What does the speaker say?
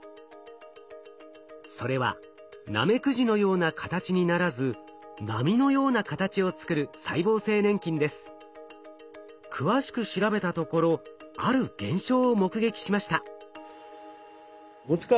それはナメクジのような形にならず詳しく調べたところある現象を目撃しました。